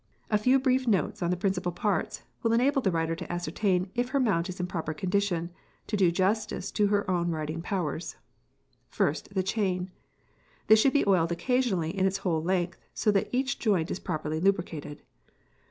A few brief notes on the principal parts will enable the rider to ascertain if her mount is in proper condition to do justice to her own riding powers. First the chain. This should be oiled occasionally in its whole length, so that each joint is properly lubricated.